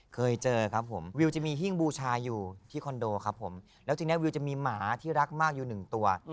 เคยเจอครับผมวิวจะมีหิ้งบูชาอยู่ที่คอนโดครับผมแล้วทีนี้วิวจะมีหมาที่รักมากอยู่หนึ่งตัว